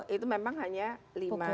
itu memang hanya lima